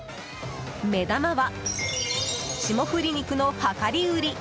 目玉は霜降り肉の量り売り。